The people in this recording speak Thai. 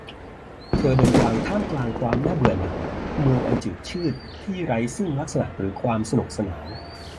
เธอเดินทางท่ามกลางความน่าเบื่อหน่าย เมืองอันจืดชืดที่ไร้ซึ่งลักษณะหรือความสนุกสนาน